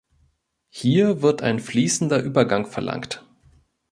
Hier wird ein fließender Übergang verlangt.